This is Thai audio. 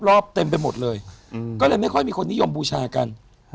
รอบเต็มไปหมดเลยก็เลยไม่ค่อยมีคนนิยมบูชากัน